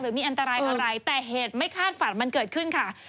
มีอันตรายอะไรแต่เหตุไม่คาดฝันมันเกิดขึ้นค่ะ